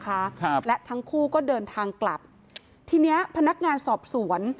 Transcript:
ครับและทั้งคู่ก็เดินทางกลับทีเนี้ยพนักงานสอบสวน